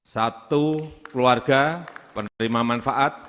satu keluarga penerima manfaat